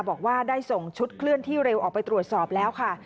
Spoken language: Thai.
บอกว่าได้ส่งชุดเคลื่อนที่เร็วออกไปตรวจสอบแล้วค่ะ